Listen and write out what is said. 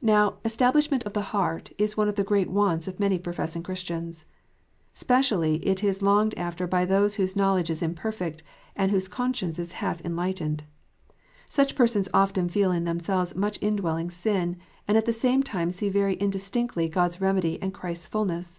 Now " establishment of heart " is one of the great wants of many professing Christians. Specially is it longed after by those whose knowledge is imperfect, and whose conscience is half enlightened. Such persons often feel in themselves much indwelling sin, and at the same time see very indistinctly God s remedy and Christ s fulness.